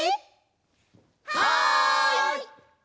はい！